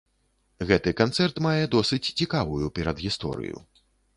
Гэты канцэрт мае досыць цікавую перадгісторыю.